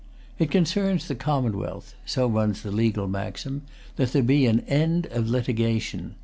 It concerns the commonwealth—so runs the legal maxim—that there be an end of litigation.